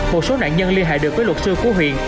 một số nạn nhân liên hệ được với luật sư của huyện